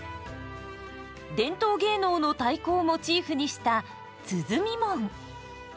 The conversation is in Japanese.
伝統芸能の太鼓をモチーフにした鼓門。